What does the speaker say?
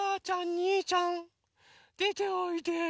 にーちゃんでておいで。